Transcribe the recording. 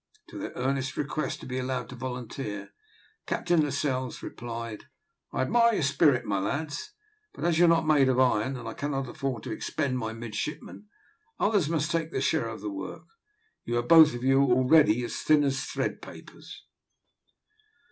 To their earnest request to be allowed to volunteer, Captain Lascelles replied, "I admire your spirit, my lads, but as you are not made of iron, and I cannot afford to expend my midshipmen, others must take their share of the work. You are both of you already as thin as thread papers."